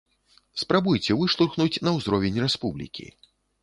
Спрабуйце выштурхнуць на ўзровень рэспублікі.